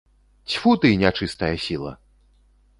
Цьфу ты, нячыстая сіла!